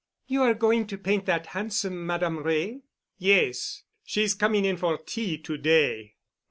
"You are going to paint that handsome Madame Wray?" "Yes. She's coming in for tea to day."